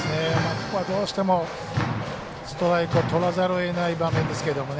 ここはどうしてもストライクをとらざるをえない場面ですけどね。